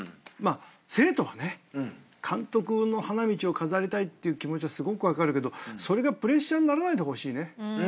生徒はね監督の花道を飾りたいって気持ちはすごく分かるけどそれがプレッシャーにならないでほしいね。